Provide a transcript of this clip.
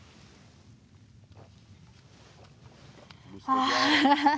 ああ！